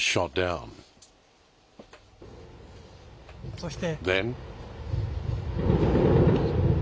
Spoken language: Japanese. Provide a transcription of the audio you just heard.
そして。